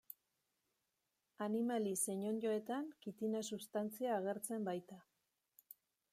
Animali zein onddoetan kitina substantzia agertzen baita.